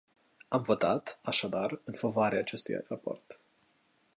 Am votat, așadar, în favoarea acestui raport.